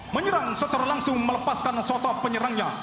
menyerang secara langsung melepaskan soto penyerangnya